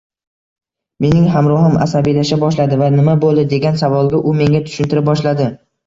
Mening hamrohim asabiylasha boshladi va "nima bo'ldi?" Degan savolga u menga tushuntira boshladi